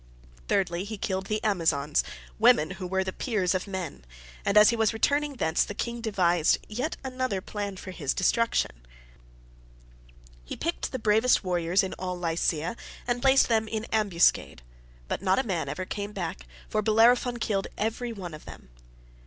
Thirdly, he killed the Amazons, women who were the peers of men, and as he was returning thence the king devised yet another plan for his destruction; he picked the bravest warriors in all Lycia, and placed them in ambuscade, but not a man ever came back, for Bellerophon killed every one of them.